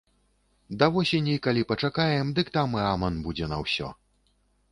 Да восені, калі пачакаем, дык там і аман будзе на ўсё.